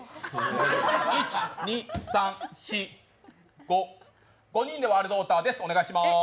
１，２，３，４，５５人でワールドヲーターですお願いします。